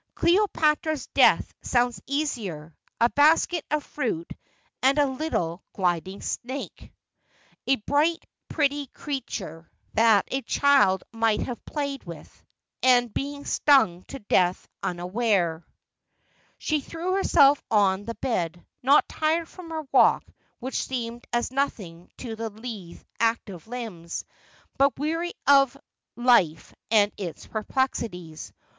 Cleopatra's death sounds easier — a basket of fruit and a little gliding snake, 356 Asphodel. a bright pretty creature that a child might have played with, and been stung to death unawares.' She threw herself on the bed, not tired from her walk, which seemed as nothing to the lithe active limbs, but weary of life and its perplexities.